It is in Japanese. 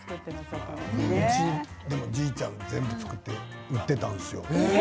うち、じいちゃんが作って売っていたんですよ。